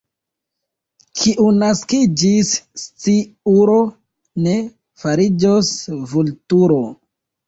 Kiu naskiĝis sciuro, ne fariĝos vulturo.